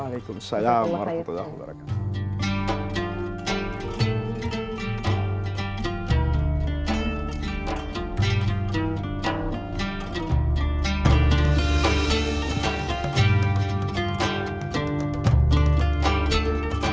waalaikumsalam warahmatullahi wabarakatuh